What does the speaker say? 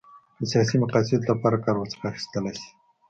د سیاسي مقاصدو لپاره کار ورڅخه اخیستلای شي.